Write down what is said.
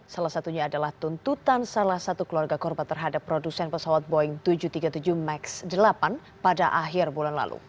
salah satunya adalah tuntutan salah satu keluarga korban terhadap produsen pesawat boeing tujuh ratus tiga puluh tujuh max delapan pada akhir bulan lalu